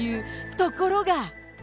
ところが。